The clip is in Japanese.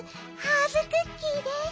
ハーブクッキーです。